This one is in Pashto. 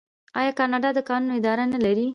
آیا کاناډا د کانونو اداره نلري؟